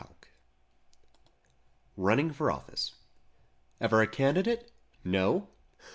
153 RUNNING FOR OFFICE Ever a candidate? No!